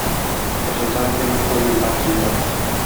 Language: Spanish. El resultado final fue un empate sin goles.